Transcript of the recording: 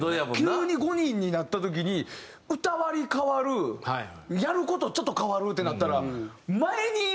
急に５人になった時に歌割り変わるやる事ちょっと変わるってなったら。